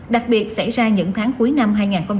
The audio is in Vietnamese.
đặc biệt xảy ra những tháng cuối năm hai nghìn hai mươi ba